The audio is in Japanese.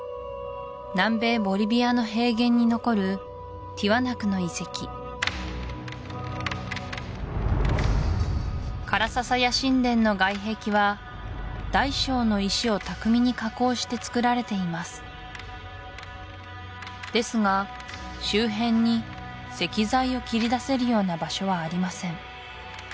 南米ボリビアの平原に残るティワナクの遺跡カラササヤ神殿の外壁は大小の石を巧みに加工してつくられていますですが周辺に石材を切り出せるような場所はありません